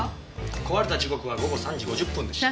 壊れた時刻は午後３時５０分でした。